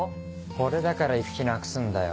これだから行く気なくすんだよ。